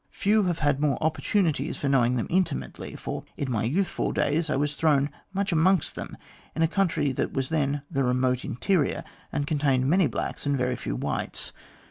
Few have had more opportunities for knowing them intimately, for in my youthful days I was thrown much amongst them in a country that was then the remote interior, and contained many blacks and very few whites.